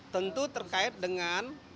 tentu terkait dengan